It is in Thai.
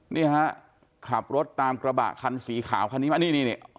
นี่ฮะขับรถตามกระบะคันสีขาวคันนี้มานี่นี่